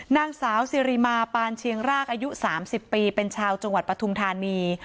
นางสาวสิริมาปานเชียงรากอายุ๓๐ปีเป็นชาวจังหวัดปทุมธานี